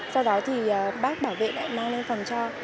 sau đó thì bác bảo vệ lại mang lên phòng cho